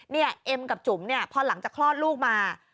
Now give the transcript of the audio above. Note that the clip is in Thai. เอ็มกับจุ๋มเนี่ยพอหลังจากคลอดลูกมา